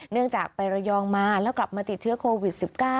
เนื่องจากไประยองมาแล้วกลับมาติดเชื้อโควิด๑๙